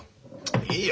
いいよ